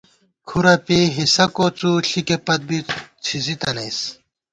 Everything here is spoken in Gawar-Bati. کُھرَہ پېئی حصہ کوڅُو ݪِکےپت بی څھسِی تنَئیس